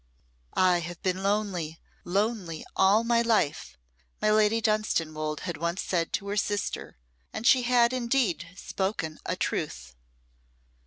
"I have been lonely lonely all my life," my Lady Dunstanwolde had once said to her sister, and she had indeed spoken a truth.